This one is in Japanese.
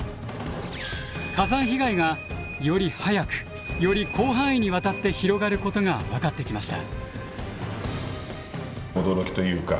火山被害がより早くより広範囲にわたって広がることが分かってきました。